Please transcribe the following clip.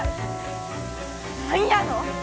何やの！？